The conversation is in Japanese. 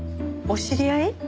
お知り合い？